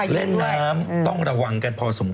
เล่นน้ำต้องระวังกันพอสมควร